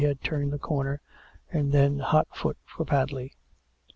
had turned the corner, and then, hot foot for Pad ley.